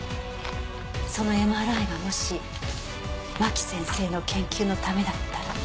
そのＭＲＩがもし真木先生の研究のためだったら。